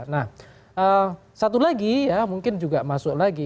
nah satu lagi ya mungkin juga masuk lagi